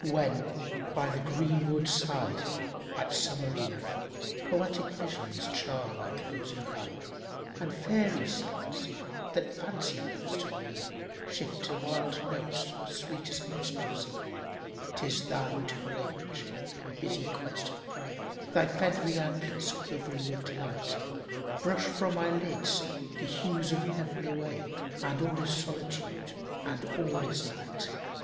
When by the green wood side, at summer eve, Poetic visions charm my closing eye; And fairy scenes, that Fancy loves to weave, Shift to wild notes of sweetest Minstrelsy; 'Tis thine to range in busy quest of prey, Thy feathery antlers quivering with delight, Brush from my lids the hues of heav'n away, And all is Solitude, and all is Night!